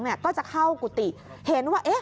ก็จะเข้ากุฏิเห็นว่า